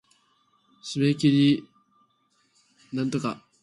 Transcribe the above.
締切間近皆が集って大混乱